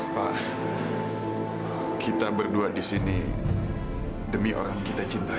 pak kita berdua di sini demi orang yang kita cintai